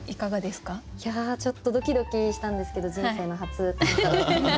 いやちょっとドキドキしたんですけど人生の初短歌だったので。